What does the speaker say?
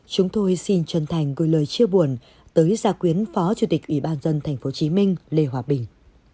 chúng tôi xin chân thành gửi lời chia buồn tới gia quyến phó chủ tịch ủy ban dân tp hcm lê hòa bình